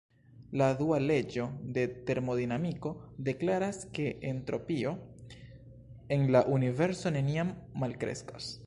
La dua leĝo de termodinamiko deklaras, ke entropio en la Universo neniam malkreskas.